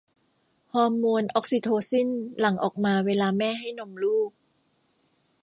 ฮอร์โมนออกซิโทซินหลั่งออกมาเวลาแม่ให้นมลูก